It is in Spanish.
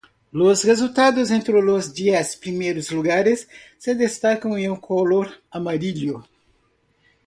Los resultados entre los diez primeros lugares se destacan en color amarillo.